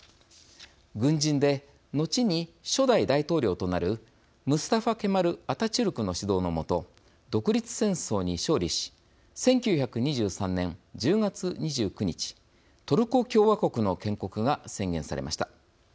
軍人で、後に初代大統領となるムスタファ・ケマル・アタチュルクの指導の下独立戦争に勝利し１９２３年１０月２９日トルコ共和国の建国が宣言されました。